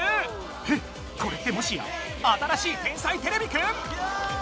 えっこれってもしや新しい「天才てれびくん」